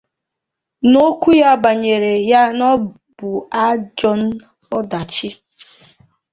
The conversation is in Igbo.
N'okwu ya banyere ya bụ ajọ ọdachi